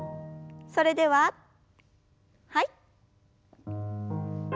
それでははい。